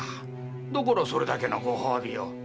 だからそれだけのご褒美を。